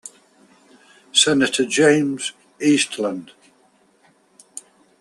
Senator James Eastland.